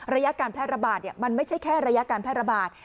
ระยะการแพร่ระบาดมันไม่ใช่แค่ระยะการแพร่ระบาด